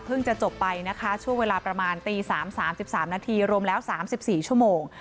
จะจบไปนะคะช่วงเวลาประมาณตี๓๓นาทีรวมแล้ว๓๔ชั่วโมง